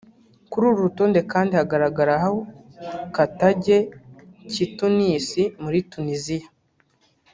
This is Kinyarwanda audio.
Kuri uru rutonde kandi hagaragaraho Carthage cy’i Tunis muri Tuniziya